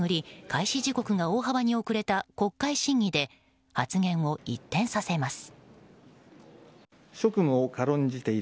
開始時刻が大幅に遅れた国会審議で発言を一転させます。